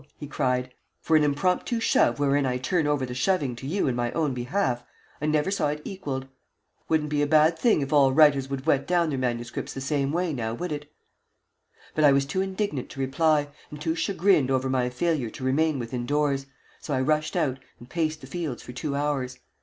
he cried. "For an impromptu shove wherein I turn over the shoving to you in my own behalf, I never saw it equalled. Wouldn't be a bad thing if all writers would wet down their MSS. the same way, now would it?" But I was too indignant to reply, and too chagrined over my failure to remain within doors, so I rushed out and paced the fields for two hours.